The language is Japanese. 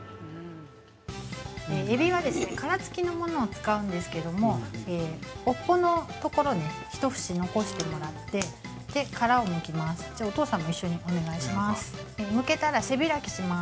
◆エビは殻つきのものを使うんですけども尾っぽのところを一節残してもらって殻をむきます。